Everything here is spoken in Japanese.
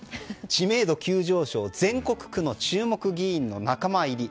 知名度急上昇、全国区の注目議員の仲間入り。